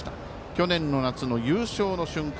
去年の夏の優勝の瞬間